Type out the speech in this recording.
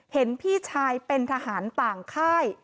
เห็นพี่ชายเป็นทหารต่างค่าย